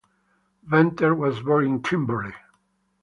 Venter was born in Kimberley.